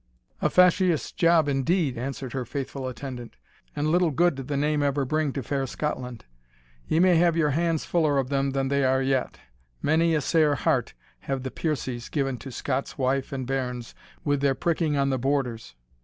"A fasheous job indeed," answered her faithful attendant, "and little good did the name ever bring to fair Scotland. Ye may have your hands fuller of them than they are yet. Mony a sair heart have the Piercies given to Scots wife and bairns with their pricking on the Borders.